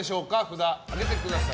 札、上げてください。